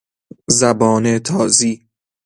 زبان تازی